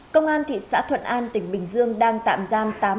công an thị xã thuận an tỉnh bình dương đang tạm giam